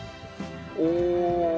おお！